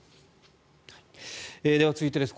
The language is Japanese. では続いてです。